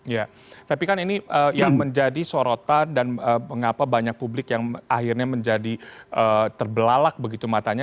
ya tapi kan ini yang menjadi sorotan dan mengapa banyak publik yang akhirnya menjadi terbelalak begitu matanya